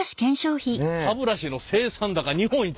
「歯ブラシの生産高日本一」。